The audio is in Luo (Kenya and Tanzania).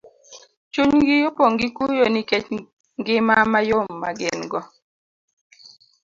chunygi opong' gi kuyo nikech ngima mayom ma gin go.